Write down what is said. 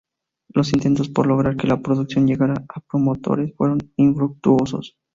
Los intentos por lograr que la producción llegara a grandes promotores fueron infructuosos.